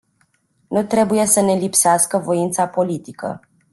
Nu trebuie să ne lipsească voința politică.